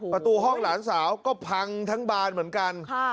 ประตูห้องหลานสาวก็พังทั้งบานเหมือนกัน